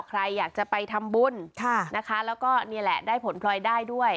ใครอยากจะไปทำบุญนะคะแล้วก็นี่แหละได้ผลพลอยได้ด้วย